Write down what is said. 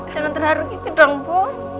jangan terlalu gitu dong bu